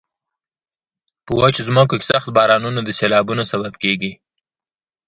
په وچو ځمکو کې سخت بارانونه د سیلابونو سبب کیږي.